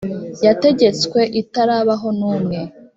Yategetswe itarabaho n umwe